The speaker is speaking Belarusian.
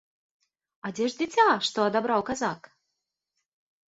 А дзе ж дзіця, што адабраў казак?